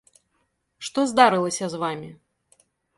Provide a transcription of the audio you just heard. Што здарылася з вамі?